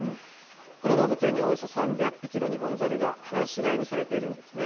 この動物園にはおよそ３００匹のニホンザルが放し飼いにされているんですね。